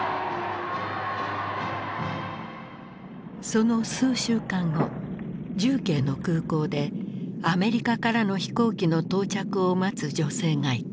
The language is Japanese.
その数週間後重慶の空港でアメリカからの飛行機の到着を待つ女性がいた。